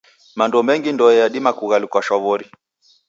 Mando mengi ndoe yadima kughaluka shwaw'ori.